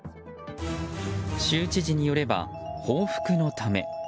州知事によれば、報復のため。